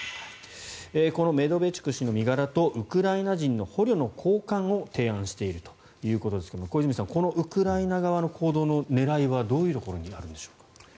このメドベチュク氏の身柄とウクライナ人の捕虜の交換を提案しているということですが小泉さんこのウクライナ側の行動の狙いはどういうところにあるんでしょう。